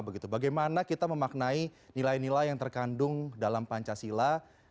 bagaimana kita memaknai nilai nilai yang terkandung dalam pancasila